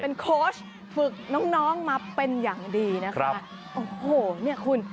เป็นฝึกน้องมาเป็นอย่างดีนะคะครับโอ้โหเนี่ยคุณ